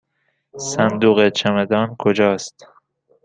صندوق چمدان کجاست؟